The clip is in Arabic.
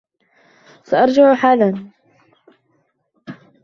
سأرجع حالاً.